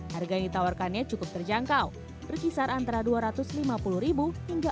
harga yang ditawarkannya cukup terjangkau berkisar antara rp dua ratus lima puluh hingga rp empat ratus lima puluh